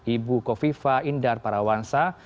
ibu kofifa indar parawansa